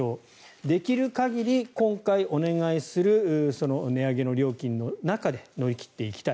できる限り、今回お願いする値上げの料金の中で乗り切っていきたい。